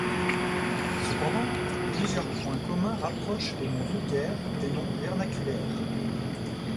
Cependant, plusieurs points communs rapprochent les noms vulgaires des noms vernaculaires.